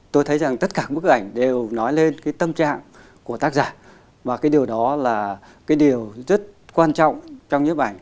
tôi thấy rằng tất cả bức ảnh đều nói lên tâm trạng của tác giả và điều đó là điều rất quan trọng trong những bức ảnh